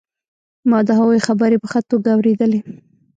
ما د هغوی خبرې په ښه توګه اورېدلې